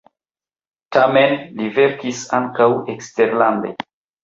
Tamen li verkis ankaŭ eksterlande.